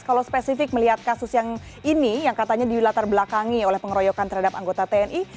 kalau spesifik melihat kasus yang ini yang katanya dilatar belakangi oleh pengeroyokan terhadap anggota tni